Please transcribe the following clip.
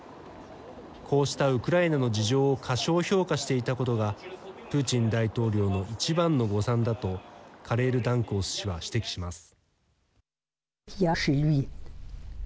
こうしたウクライナの事情を過小評価していたことがプーチン大統領の一番の誤算だとカレールダンコース氏は指摘します。